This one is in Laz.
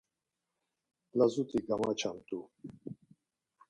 Lazut̆i gamaçamt̆u.